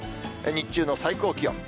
日中の最高気温。